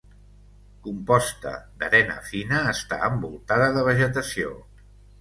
Composta d'arena fina, està envoltada de vegetació.